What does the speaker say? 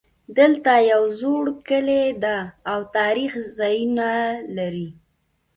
دلته یو زوړ کلی ده او تاریخي ځایونه لري